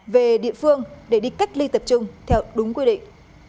về địa phương để đi cách ly tập trung theo đúng quy định